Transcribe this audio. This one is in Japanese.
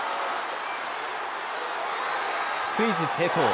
スクイズ成功。